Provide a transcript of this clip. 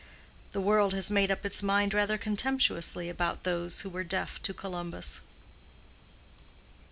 The world has made up its mind rather contemptuously about those who were deaf to Columbus.